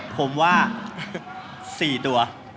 ผมว่า๔ตัว